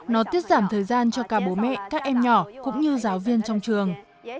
nó tiết giảm thời gian cho cả bố mẹ các em nhỏ cũng như giáo viên trong trường